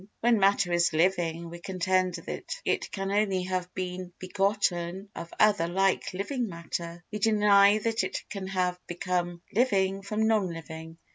When matter is living we contend that it can only have been begotten of other like living matter; we deny that it can have become living from non living.